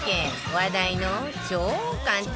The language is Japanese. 話題の超簡単！